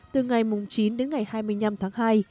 từ ngày chín đến ngày hai mươi năm tháng hai